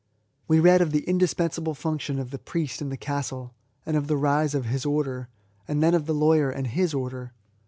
We read of the indispensable function of the Priest, in the castle, and of the rise of his order ; and then of the Lawyer and Aw order.